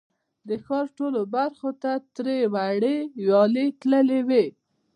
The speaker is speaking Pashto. د ښار ټولو برخو ته ترې وړې ویالې تللې وې.